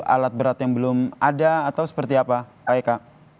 alat berat yang belum ada atau seperti apa pak eka